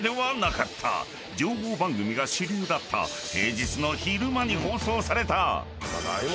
［情報番組が主流だった平日の昼間に放送された］